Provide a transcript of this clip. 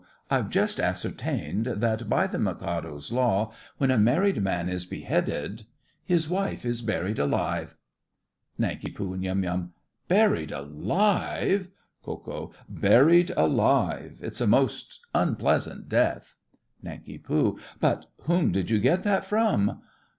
I've just ascertained that, by the Mikado's law, when a married man is beheaded his wife is buried alive. NANK. and YUM. Buried alive! KO. Buried alive. It's a most unpleasant death. NANK. But whom did you get that from?